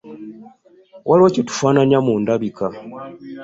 Waliwo kye tufaananya mu ndabika?